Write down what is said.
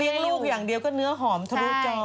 ลูกอย่างเดียวก็เนื้อหอมทะลุจอ